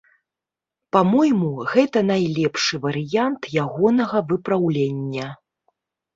Па-мойму, гэта найлепшы варыянт ягонага выпраўлення.